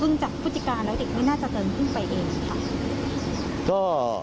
จากพฤติการแล้วเด็กไม่น่าจะเดินขึ้นไปเองค่ะ